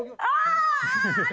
あ！